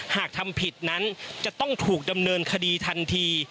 หากทำผิดนั้นจะต้องถูกดำเนินคดีทันที